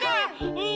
うん。